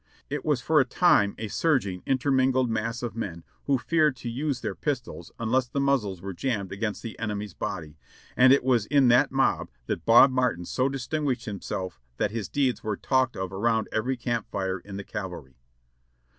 It was for a time a surging, intermingled mass of men, who feared to use their pistols unless the muzzles were jammed against the enemy's body, and it was in that mob that Bob Martin so distinguished himself that his deeds were talked of around every camp fire in the cavalry.